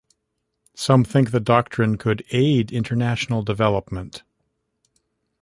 Some think the doctrine could aid international development.